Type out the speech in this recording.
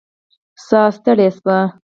ساه ستړې شوې